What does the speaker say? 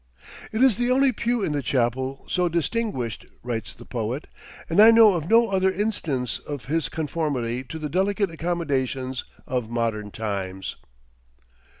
"It is the only pew in the chapel so distinguished," writes the poet, "and I know of no other instance of his conformity to the delicate accommodations of modern times."